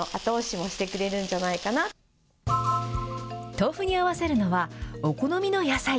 豆腐に合わせるのは、お好みの野菜。